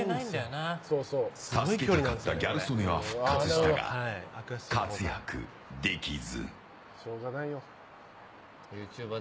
助けたかったギャル曽根は復活したが活躍できず。